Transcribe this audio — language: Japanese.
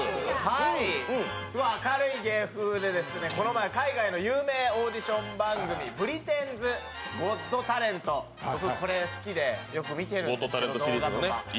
明るい芸風で、この前海外の有名オーディション番組「Ｂｒｉｔａｉｎ’ｓＧｏｔＴａｌｅｎｔ」、僕、これ好きでよく見てるんですけど、動画とか。